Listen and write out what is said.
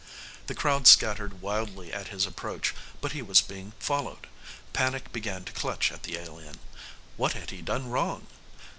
The crowd scattered wildly at his approach, but he was being followed. Panic began to clutch at the alien. What had he done wrong?